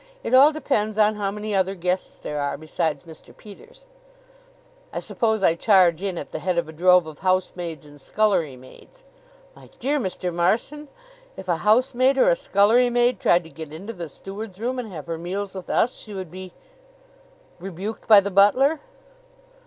It all depends on how many other guests there are besides Mr. Peters." "I suppose I charge in at the head of a drove of housemaids and scullery maids?" "My dear Mr. Marson, if a housemaid or a scullery maid tried to get into the steward's room and have her meals with us, she would be " "Rebuked by the butler?"